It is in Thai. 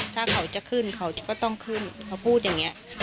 ถ้าเขาจะขึ้นเขาก็ต้องขึ้นเขาพูดอย่างนี้